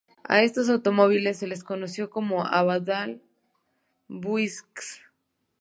A estos automóviles se les conoció como Abadal-Buicks.